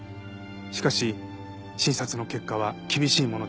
しかし診察の結果は厳しいものでした。